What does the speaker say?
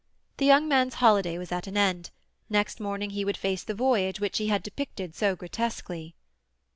The young man's holiday was at an end; next morning he would face the voyage which he had depicted so grotesquely.